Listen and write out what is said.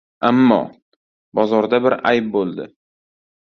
Ammo... bozorda bir ayb bo‘ldi.